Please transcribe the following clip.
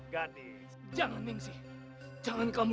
jadi kamu hanya mencari kami